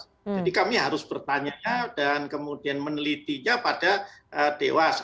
jadi kami harus bertanya dan kemudian menelitinya pada dewas